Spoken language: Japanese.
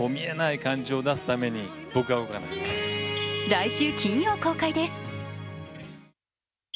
来週金曜、公開です。